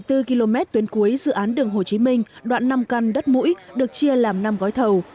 hai mươi bốn km tuyến cuối dự án đường hồ chí minh đoạn năm căn đất mũi được chia làm năm gói thầu